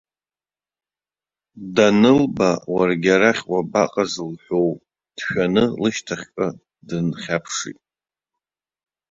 Данылба, уаргьы арахь уабаҟаз лҳәоу, дшәаны лышьҭахьҟа дынхьаԥшит.